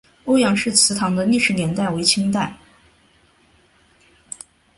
欧阳氏祠堂的历史年代为清代。